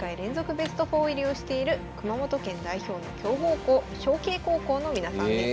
ベスト４入りをしている熊本県代表の強豪校尚絅高校の皆さんです。